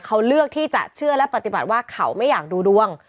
เขาเลือกที่จะเชื่อและปฏิบัติว่าเขาไม่อยากดูดวง